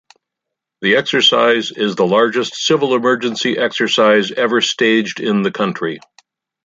The exercise is the largest civil emergency exercise ever staged in the country.